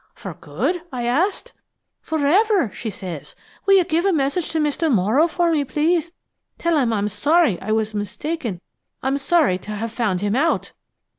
"'For good?' I asked. "'Forever!' she says. 'Will you give a message to Mr. Morrow for me, please? Tell him I'm sorry I was mistaken. I'm sorry to have found him out!'